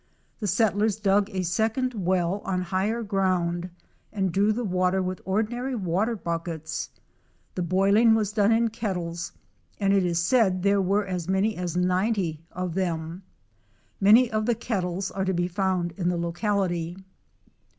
The settlers dug a second well on higher ground and drew the water with ordinary water buckets. The boil ing was done in kettles, and it is said there were as many as 90 of them. Many of the kettles are to be found in the locality.